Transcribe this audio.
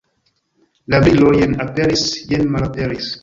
La brilo jen aperis, jen malaperis.